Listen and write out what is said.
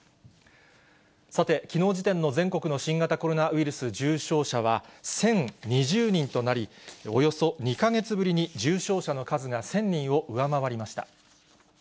さて、きのう時点の新型コロナウイルス重症者は１０２０人となり、およそ２か月ぶりに重症者の数が１０００人を上回りました。